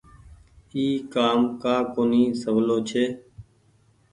اي ڪآم ڪآ ڪونيٚ سولو ڇي۔